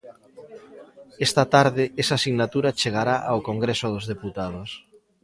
Esta tarde esa sinatura chegará ao congreso dos deputados.